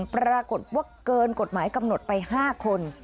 ปรากฏว่าเกินกฎหมายกำหนดไป๕คน